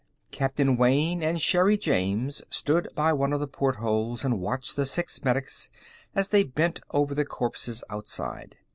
Captain Wayne and Sherri James stood by one of the portholes and watched the six medics as they bent over the corpses outside.